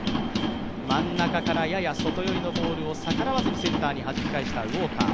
真ん中からやや外寄りのボールを逆らわずにセンターにはじき返したウォーカー。